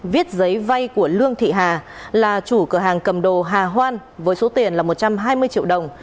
viết giấy vay của lương thị hà là chủ cửa hàng cầm đồ hà hoan với số tiền là một trăm hai mươi triệu đồng